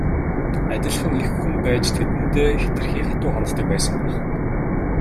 Адилхан эх хүн байж тэдэндээ хэтэрхий хатуу ханддаг байсан байх.